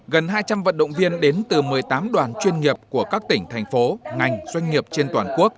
gần hai trăm linh vận động viên đến từ một mươi tám đoàn chuyên nghiệp của các tỉnh thành phố ngành doanh nghiệp trên toàn quốc